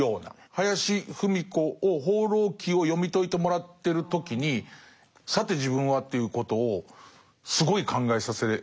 林芙美子を「放浪記」を読み解いてもらってる時に「さて自分は？」ということをすごい考えさせられましたね。